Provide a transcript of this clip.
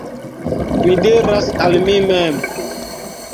Mi diras al mi mem: